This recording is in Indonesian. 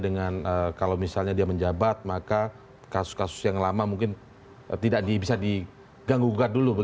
dengan kalau misalnya dia menjabat maka kasus kasus yang lama mungkin tidak bisa diganggu gugat dulu